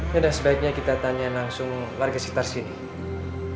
ya udah sebaiknya kita tanyain langsung warga sekitar sini